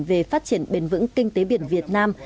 về phát triển bền vững kinh tế biển việt nam